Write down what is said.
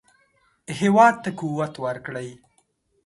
هېواد ته قوت ورکړئ